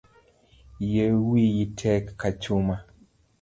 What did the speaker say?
Yie wiyi tek ka chuma